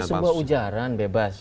itu sebuah ujaran bebas